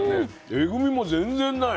エグみも全然ない。